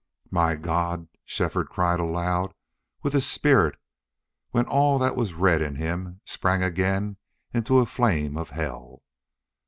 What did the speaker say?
"My God!" Shefford cried aloud with his spirit when all that was red in him sprang again into a flame of hell.